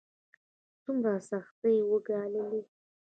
څومره سختۍ يې وګاللې.